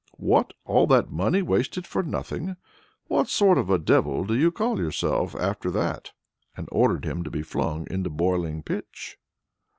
What, all that money wasted for nothing! What sort of a devil do you call yourself after that?" and ordered him to be flung "into boiling pitch."